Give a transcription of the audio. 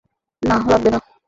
নাহ, লাগবে না।